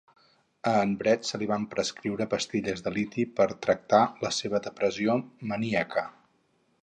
A en Brett se li van prescriure pastilles de liti per tractar la seva depressió maníaca.